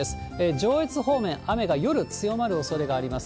上越方面、雨が夜、強まるおそれがあります。